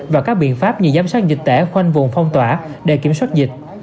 và các biện pháp như giám sát dịch tễ khoanh vùng phong tỏa để kiểm soát dịch